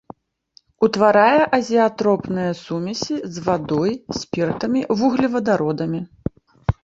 Утварае азеатропныя сумесі з вадой, спіртамі, вуглевадародамі.